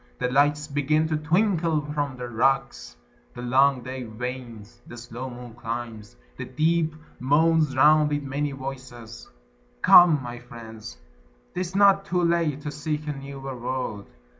The lights begin to twinkle from the rocks: The long day wanes: the slow moon climbs: the deep Moans round with many voices. Come, my friends, 'T is not too late to seek a newer world.